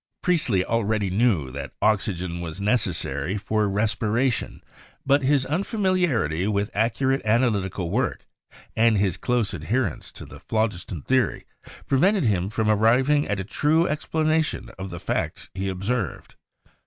Priestley already knew that oxygen was necessary for respiration, but his unfamiliarity with accurate analytical work and his close adherence to the phlogiston theory pre vented him from arriving at a true explanation of the facts he observed.